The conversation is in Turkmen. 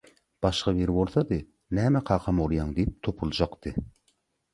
Başga biri bolsady «Näme kakamy urýaň?» diýip topuljakdy